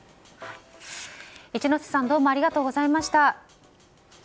一之瀬さんどうもありがとうございました。